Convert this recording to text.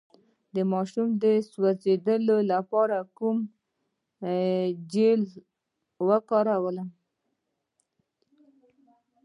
د ماشوم د سوځیدو لپاره کوم جیل وکاروم؟